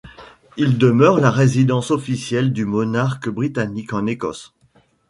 Il demeure la résidence officielle du monarque britannique en Ecosse.